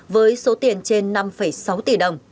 với số tiền trên năm sáu